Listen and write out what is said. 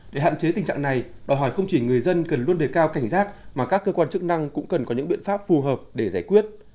để hạn chế tình trạng này đòi hỏi không chỉ người dân cần luôn đề cao cảnh giác mà các cơ quan chức năng cũng cần có những biện pháp phù hợp để giải quyết